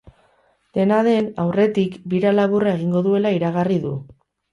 Dena den, aurretik, bira laburra egingo duela iragarri du.